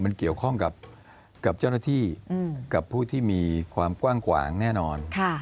มันเกี่ยวข้องกับเจ้าหน้าที่กับผู้ที่มีความกว้างขวางแน่นอน